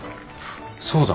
そうだ。